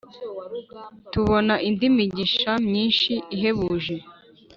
tubona indi migisha myinshi ihebuje